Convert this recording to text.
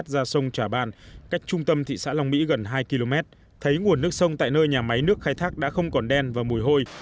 trong hai km thấy nguồn nước sông tại nơi nhà máy nước khai thác đã không còn đen và mùi hôi